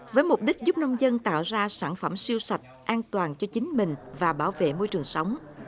với mục đích giúp nông dân tạo ra sản phẩm siêu sạch an toàn cho chính mình và bảo vệ môi trường sống